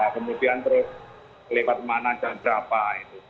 kemudian terus lewat mana dan berapa gitu